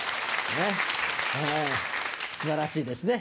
素晴らしいですね